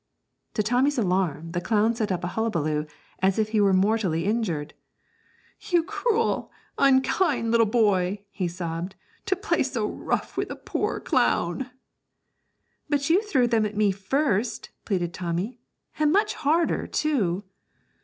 To Tommy's alarm, the clown set up a hullaballoo as if he was mortally injured. 'You cruel, unkind little boy,' he sobbed, 'to play so rough with a poor clown!' 'But you threw them at me first,' pleaded Tommy, 'and much harder, too!'